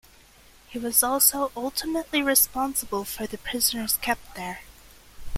He was also ultimately responsible for the prisoners kept there.